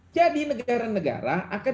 jadi negara negara akan